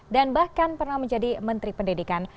dan bahkan pernah menjadi menteri pendidikan